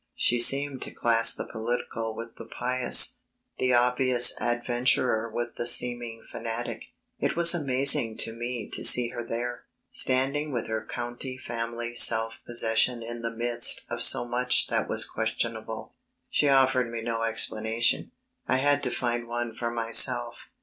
She seemed to class the political with the pious, the obvious adventurer with the seeming fanatic. It was amazing to me to see her there, standing with her county family self possession in the midst of so much that was questionable. She offered me no explanation; I had to find one for myself.